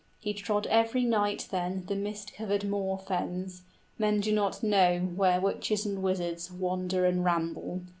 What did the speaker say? He trod every night then The mist covered moor fens; men do not know where Witches and wizards wander and ramble.